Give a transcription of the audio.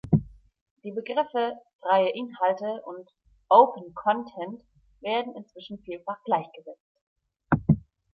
Die Begriffe „freie Inhalte“ und „Open Content“ werden inzwischen vielfach gleichgesetzt.